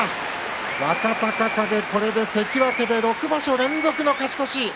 若隆景、これで関脇で６場所連続の勝ち越しです。